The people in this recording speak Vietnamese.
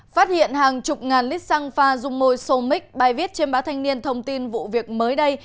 phát hiện hàng chục ngàn lít xăng pha dung môi xômic bài viết trên báo thanh niên thông tin vụ việc mới đây